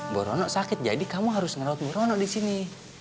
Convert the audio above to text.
mbok rona sakit jadi kamu harus ngerawat mbok rona di sini